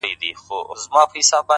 هره ناکامي د بیا هڅې پیغام دی’